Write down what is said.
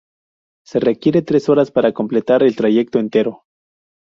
Se requiere tres horas para completar el trayecto entero.